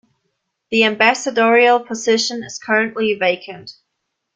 The ambassadorial position is currently vacant.